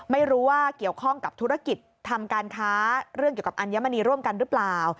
ไม่รู้ว่าเกี่ยวข้องกับธุรกิจทำการค้าเรื่องเกี่ยวกับอัญมณีร่วมกันหรือเปล่า